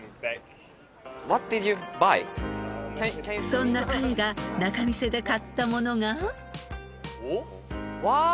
［そんな彼が仲見世で買った物が］わあ！